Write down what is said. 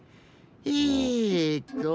えっと。